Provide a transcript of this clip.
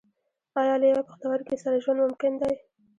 ایا له یوه پښتورګي سره ژوند ممکن دی